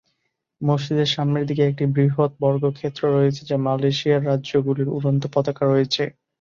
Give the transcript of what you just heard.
মসজিদের সামনের দিকে একটি বৃহত বর্গক্ষেত্র রয়েছে যা মালয়েশিয়ার রাজ্যগুলির উড়ন্ত পতাকা রয়েছে।